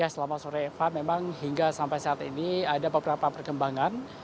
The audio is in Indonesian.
selamat sore eva memang hingga sampai saat ini ada beberapa perkembangan